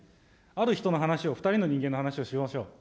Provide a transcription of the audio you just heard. ある人の話を、２人の人間の話をしましょう。